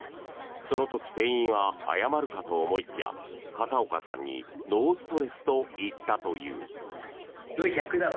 その時、店員は謝るかと思いきや片岡さんにノーストレスと言ったという。